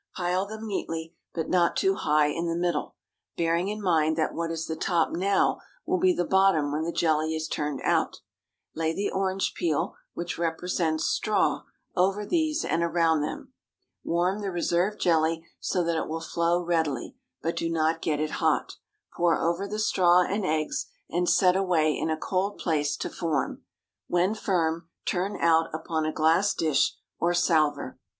Pile them neatly, but not too high in the middle, bearing in mind that what is the top now will be the bottom when the jelly is turned out. Lay the orange peel which represents straw, over these and around them. Warm the reserved jelly, so that it will flow readily, but do not get it hot; pour over the straw and eggs, and set away in a cold place to form. When firm, turn out upon a glass dish or salver.